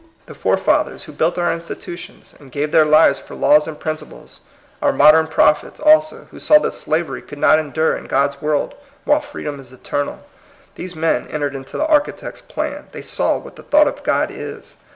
The forefathers who built our institutions, and gave their lives for laws and principles, our modern prophets, also, who saw that slavery could not endure in God's world, while freedom is eternal, — these men entered into the Architect's plan ; they saw what the thought of God is.